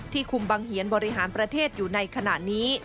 คุมบังเหียนบริหารประเทศอยู่ในขณะนี้